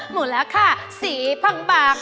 หมูราคาสีพังบาก